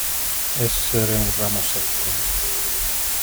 Essere un ramo secco.